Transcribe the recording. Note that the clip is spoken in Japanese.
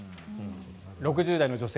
６０代の女性